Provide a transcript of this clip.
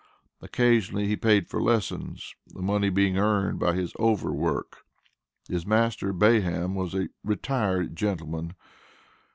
Occasionally he paid for lessons, the money being earned by his over work. His master, Bayham, was a "retired gentleman."